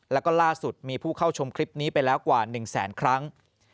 แล้วก็ล่าสุดมีผู้เข้าชมคลิปนี้ไปแล้วกว่า๑แสนครั้ง